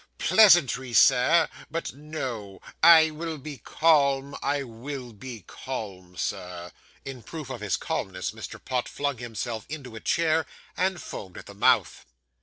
'Pleasantry, sir! But no, I will be calm; I will be calm, Sir;' in proof of his calmness, Mr. Pott flung himself into a chair, and foamed at the mouth.